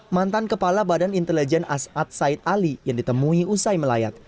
mantan kepala badan intelijen as'ad said ali yang ditemui usai melayat